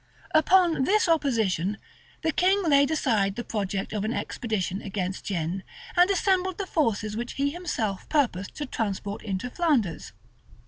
Upon this opposition, the king laid aside the project of an expedition against Guienne, and assembled the forces which he himself purposed to transport into Flanders.